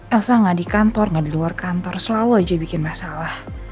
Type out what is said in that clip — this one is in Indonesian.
elsa nggak di kantor nggak di luar kantor selalu aja bikin masalah